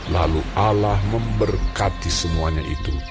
lalu allah memberkati semuanya itu